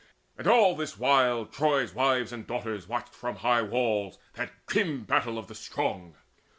And all this while Troy's wives and daughters watched From high walls that grim battle of the strong.